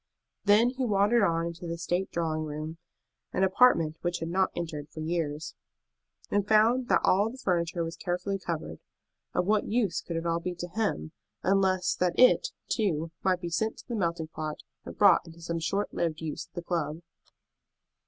Then he wandered on into the state drawing room, an apartment which he had not entered for years, and found that all the furniture was carefully covered. Of what use could it all be to him, unless that it, too, might be sent to the melting pot and brought into some short lived use at the club?